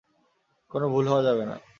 কোন ভুল হওয়া যাবে না।